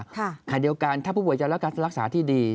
ขณะเดียวกันถ้าผู้ป่วยจะรับการรักษาที่ดี